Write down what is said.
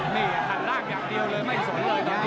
ที่มี฀านรากอย่างเดียวเลยไม่สนเลยตอนที่